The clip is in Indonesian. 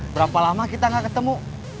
berapa lama kita nggak ketemu